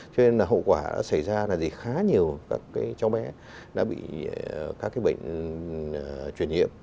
cho nên là hậu quả đã xảy ra là gì khá nhiều các cái cháu bé đã bị các cái bệnh chuyển nhiễm